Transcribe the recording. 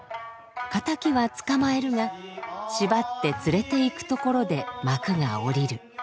仇は捕まえるが縛って連れていくところで幕が下りる。